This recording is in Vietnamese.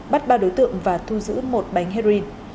bắt ba đối tượng và thu giữ một bánh heroin